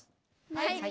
はい。